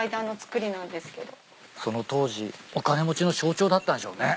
その当時お金持ちの象徴だったんでしょうね。